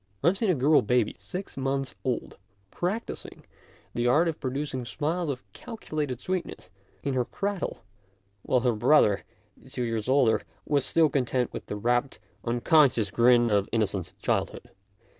I have seen a girl baby, six months old, practising the art of producing smiles of calculated sweetness in her cradle, while her brother, two years older, was still content with the rapt, un conscious grins of innocent childhood.